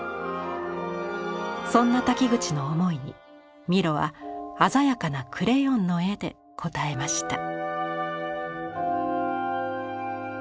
そんな瀧口の思いにミロは鮮やかなクレヨンの絵で応えました。